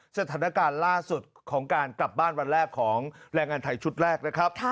สถานการณ์ล่าสุดของการกลับบ้านวันแรกของแรงงานไทยชุดแรกนะครับ